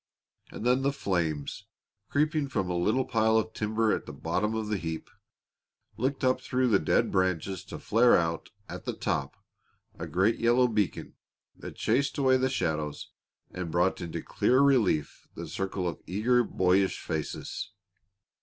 And then the flames, creeping from a little pile of timber at the bottom of the heap, licked up through the dead branches to flare out at the top a great yellow beacon that chased away the shadows and brought into clear relief the circle of eager, boyish faces.